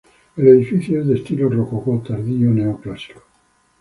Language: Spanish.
El edificio es de estilo rococó tardío neoclásico.